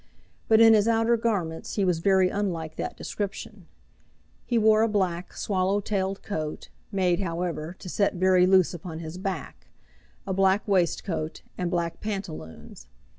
But in his outer garments he was very unlike that description. He wore a black, swallow tailed coat, made, however, to set very loose upon his back, a black waistcoat, and black pantaloons.